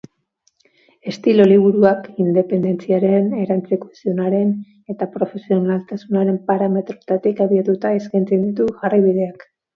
Estilo liburuak independentziaren, erantzukizunaren eta profesionaltasunaren parametroetatik abiatuta eskaintzen ditu jarraibideak.